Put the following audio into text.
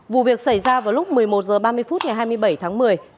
vụ việc xảy ra vào lúc một mươi một h ba mươi phút ngày hai mươi bảy tháng một mươi